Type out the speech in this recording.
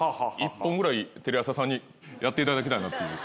１本ぐらいテレ朝さんにやっていただきたいなっていう。